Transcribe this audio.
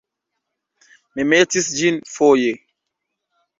Mi metis ĝin foje.